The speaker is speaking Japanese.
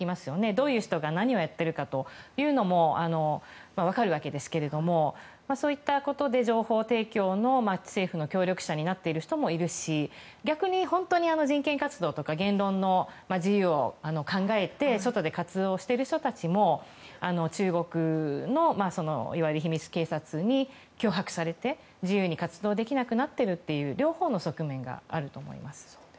どういう人が何をやっているか分かりますがそういったことで情報提供の政府の協力者になってる人もいるし逆に本当に人権活動とか言論の自由を考えて外で活動する人たちも中国の、いわゆる秘密警察に脅迫されて、自由に活動できなくなってるという両方の側面があると思います。